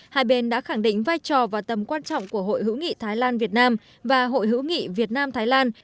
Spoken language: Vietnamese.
hai bên đã khẳng định vai trò và tầm quan trọng của hội hữu nghị thái lan việt nam và hội hữu nghị việt nam thái lan